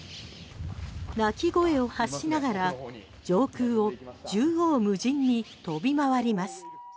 鳴き声を発しながら上空を縦横無尽に飛び回ります。